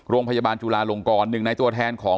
โรงพยาบาลจุลาลงกรหนึ่งในตัวแทนของ